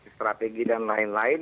strategi dan lain lain